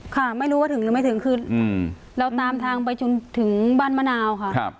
ค่ะไม่รู้ว่าถึงหรือไม่ถึงคือเราตามทางไปจนถึงบ้านมะนาวค่ะ